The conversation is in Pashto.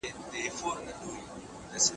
ته ولي امادګي نيسې